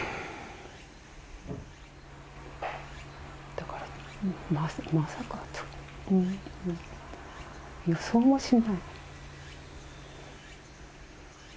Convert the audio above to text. だから、まさかと、予想もしない。